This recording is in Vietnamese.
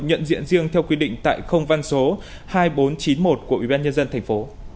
nhận diện riêng theo quy định tại không văn số hai nghìn bốn trăm chín mươi một của ủy ban nhân dân tp